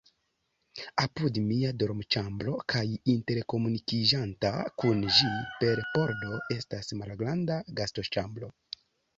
Apud mia dormoĉambro kaj interkomunikiĝanta kun ĝi per pordo estas malgranda gastoĉambro.